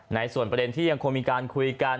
ในส่วนประเด็นที่ยังคงมีการคุยกัน